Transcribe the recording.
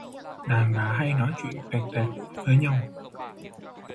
Đàn bà hay nói chuyện toẹt toẹt với nhau